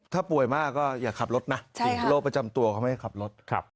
ถ้าป่วยมากก็อย่าขับรถนะจริงโรคประจำตัวเขาไม่ให้ขับรถ